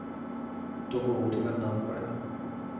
তবুও উঠিবার নাম করে না।